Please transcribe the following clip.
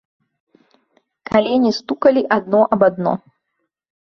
Калені стукалі адно аб адно.